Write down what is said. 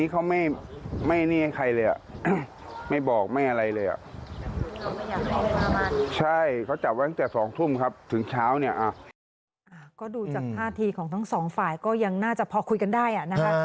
ก็ดูจากท่าทีของทั้งสองฝ่ายก็ยังน่าจะพอคุยกันได้นะคะ